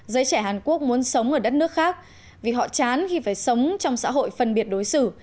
giới trẻ hàn quốc muốn sống ở đất nước khác vì họ chán khi phải sống trong xã hội phân biệt đối xử